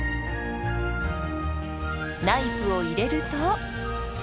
ナイフを入れると。